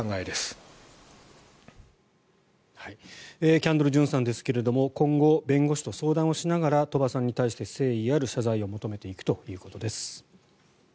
キャンドル・ジュンさんですが今後、弁護士と相談をしながら鳥羽さんに対して誠意ある謝罪を求めていくということです。